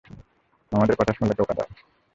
আমাদের কথা শুনলে টোকা দাও।